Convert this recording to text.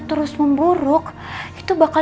terus memburuk itu bakal